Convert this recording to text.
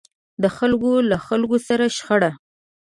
د خلکو له خلکو سره شخړه.